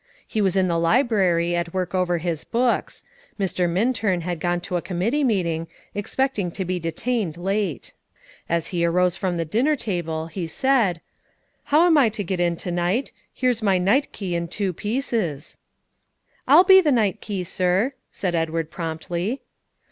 He was in the library, at work over his books; Mr. Minturn had to go to a committee meeting, expecting to be detained late; as he arose from the dinner table, he said, "How am I to get in to night? Here's my night key in two pieces." "I'll be night key, sir," said Edward promptly.